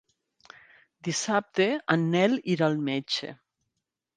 Dissabte en Nel irà al metge.